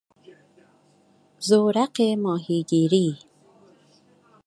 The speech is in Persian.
زورق ماهیگیری